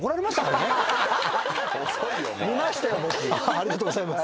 ありがとうございます。